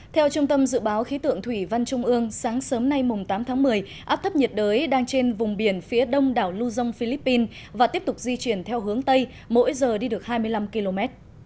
theo trung tâm dự báo khí tượng thủy văn trung ương sáng sớm nay tám tháng một mươi áp thấp nhiệt đới đang trên vùng biển phía đông đảo lưu dông philippines và tiếp tục di chuyển theo hướng tây mỗi giờ đi được hai mươi năm km